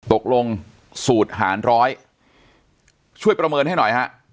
สูตรหารร้อยช่วยประเมินให้หน่อยฮะ